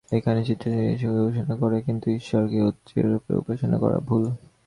একখানি চিত্রকে ঈশ্বররূপে উপাসনা করা যায়, কিন্ত ঈশ্বরকে চিত্ররূপে উপাসনা করা ভুল।